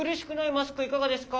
マスクいかがですか？